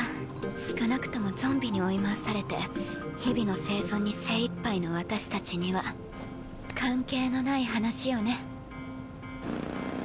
少なくともゾンビに追い回されて日々の生存に精いっぱいの私たちには関係のない話よね。